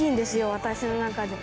私の中で。